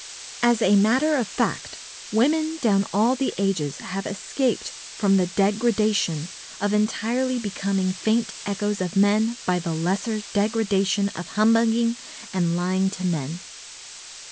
As a matter of fact, women down all the ages have escaped from the degradation of entirely becoming faint echoes of men by the lesser degradation of humbugging and lying to men.